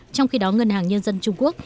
trong khi đó ngân hàng nhân dân trung quốc